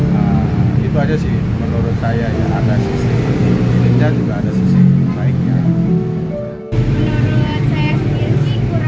menurut saya segini kurang membantu aja ya karena parkir ini saya belum membantu dia